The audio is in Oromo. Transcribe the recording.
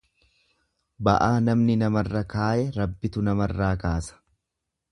Ba'aa namni namarra kaaye Rabbitu namarraa kaasa.